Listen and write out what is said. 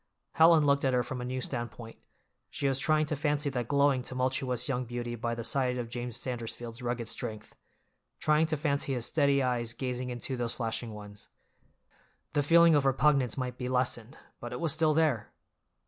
Helen looked at her from a new standpoint—she was trying to fancy that glowing, tumultuous young beauty by the side of James Sandersfield's rugged strength, trying to fancy his steady eyes gazing into those flashing ones. The feeling of repugnance might be lessened, but it was still there!